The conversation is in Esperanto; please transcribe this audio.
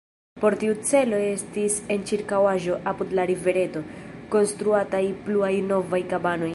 Por tiu celo estis en ĉirkaŭaĵo, apud la rivereto, konstruataj pluaj novaj kabanoj.